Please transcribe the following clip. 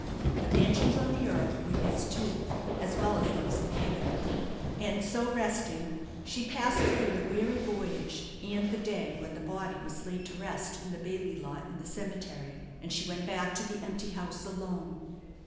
The mansions on the earth were His too, as well as those in heaven. And so resting she passed through the weary voyage and the day when the body was laid to rest in the Bailey lot in the cemetery, and she went back to the empty house alone.